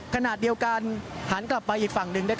ขณะเดียวกันหันกลับไปอีกฝั่งหนึ่ง